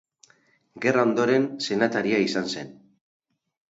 Gerra ondoren senataria izan zen.